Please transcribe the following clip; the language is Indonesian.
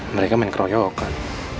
mereka main keroyokan